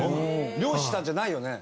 漁師さんじゃないよね？